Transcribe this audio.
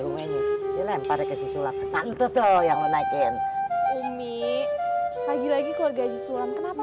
rumahnya dilempar ke sisulang nanti tuh yang menaikin umi lagi lagi kalau gaji sulang kenapa